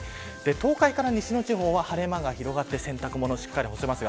東海から西の地方は晴れ間が広がって洗濯物を干せます。